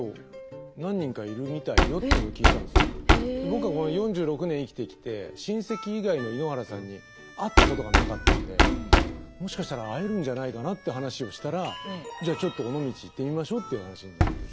僕はこの４６年生きてきて親戚以外の井ノ原さんに会ったことがなかったんでもしかしたら会えるんじゃないかなって話をしたらじゃあちょっと尾道行ってみましょうっていう話になって。